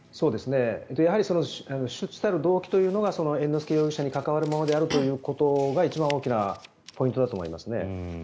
主たる動機というのが猿之助容疑者に関わるものであるということが一番大きなポイントだと思います。